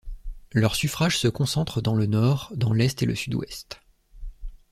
Leurs suffrages se concentrent dans le nord, dans l'est et le sud-ouest.